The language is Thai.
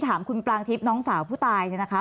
ถามคุณปรางทิพย์น้องสาวผู้ตายเนี่ยนะคะ